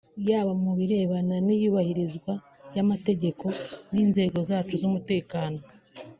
yaba mu birebana n’iyubahirizwa ry’amategeko n’inzego zacu z’umutekano